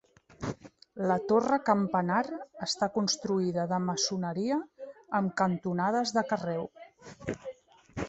La torre campanar està construïda de maçoneria amb cantonades de carreu.